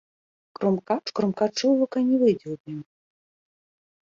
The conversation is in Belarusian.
Крумкач крумкачу вока не выдзеўбе